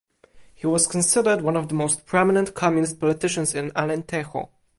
He was considered one of the most prominent communist politicians in Alentejo.